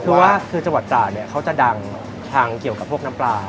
คือว่าคือจังหวัดตราดเนี่ยเขาจะดังทางเกี่ยวกับพวกน้ำปลา